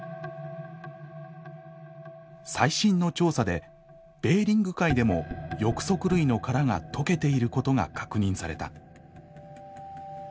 最新の調査でベーリング海でも翼足類の殻が溶けていることが確認された。